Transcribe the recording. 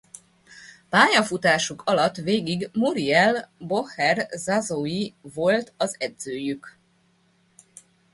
Pályafutásuk alatt végig Muriel Boucher-Zazoui volt az edzőjük.